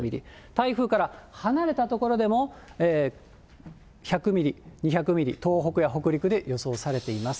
台風から離れた所でも、１００ミリ、２００ミリ、東北や北陸で予想されています。